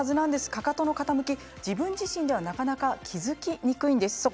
かかとの傾きは自分自身ではなかなか気付きにくいんです。